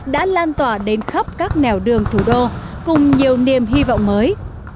đã lan tỏa đến khắp các nẻo đường thủ đô cùng nhiều niềm hy vọng mới